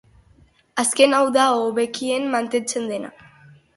Azken hau da hobekien mantentzen dena.